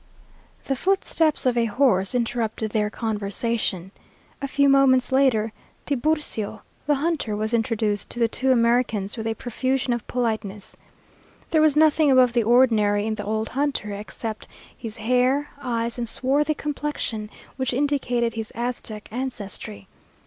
The footsteps of a horse interrupted their conversation. A few moments later, Tiburcio, the hunter, was introduced to the two Americans with a profusion of politeness. There was nothing above the ordinary in the old hunter, except his hair, eyes, and swarthy complexion, which indicated his Aztec ancestry.